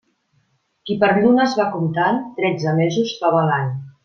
Qui per llunes va comptant, tretze mesos troba a l'any.